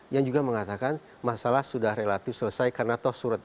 yang juga mengatakan masalah sudah relatif selesai karena toh surut